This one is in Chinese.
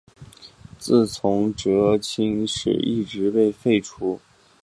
自此中圻钦使一职被废除。